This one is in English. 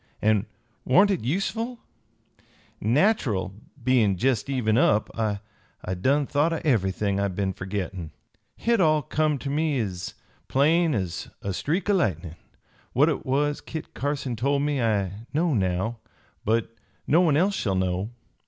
An' warn't hit useful? Nach'erl, bein' jest even up, I done thought o' everything I been fergettin'. Hit all come ter me ez plain ez a streak o' lightnin'. What it was Kit Carson told me I know now, but no one else shall know.